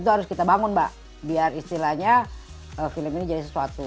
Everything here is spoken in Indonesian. itu harus kita bangun mbak biar istilahnya film ini jadi sesuatu